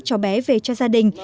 chó bé về cho gia đình